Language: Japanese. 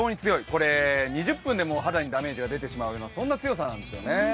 これ２０分でも肌にダメージが出てしまう強さなんですよね。